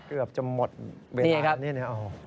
เกือบจะหมดเวลานี้นะโอ้